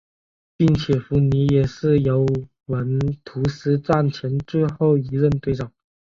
并且福尼也是尤文图斯战前最后一任队长。